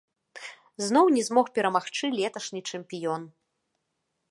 Зноў не змог перамагчы леташні чэмпіён.